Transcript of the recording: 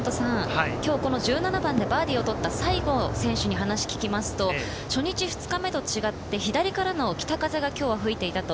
１７番でバーディーを取った西郷選手に話を聞きますと、初日、２日目と違って、左からの北風が、きょうは吹いていたと。